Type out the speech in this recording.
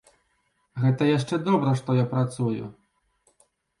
Гэта яшчэ добра, што я працую.